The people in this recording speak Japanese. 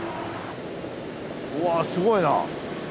うわすごいな。